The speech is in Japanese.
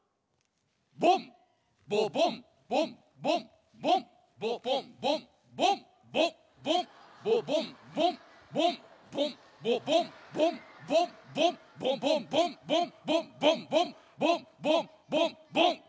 ボンボボンボンボンボンボボンボンボンボボンボボンボンボンボンボボンボンボンボンボボボンボンボンボンボンボンボンボンボン。